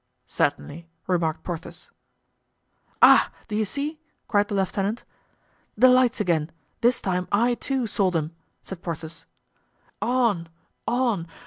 "Certainly," remarked Porthos. "Ah! do you see?" cried the lieutenant. "The lights again! this time I, too, saw them," said Porthos. "On! on!